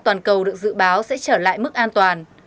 toàn cầu được dự báo sẽ trở lại mức an toàn